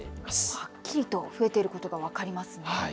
はっきりと増えていることが分かりますね。